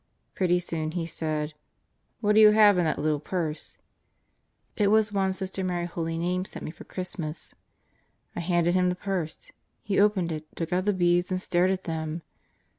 Pretty soon he said: "What do you have in that little purse?" It was one Sister Mary Holy Name sent me for Christmas. I handed him the purse. He opened it, took out the beads and stared at them.